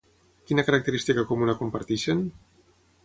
Quina característica comuna comparteixen?